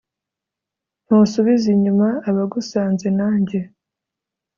ntusubiza inyuma abagusanze; nanjye